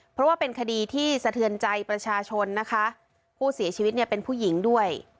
เพราะว่าเป็นคดีที่สะเทือนใจประชาชนนะคะผู้เสียชีวิตเนี่ยเป็นผู้หญิงด้วย